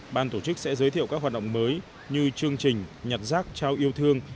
ban tổ chức sẽ giới thiệu các hoạt động mới như chương trình nhặt rác trao yêu thương